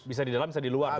bisa di dalam bisa di luar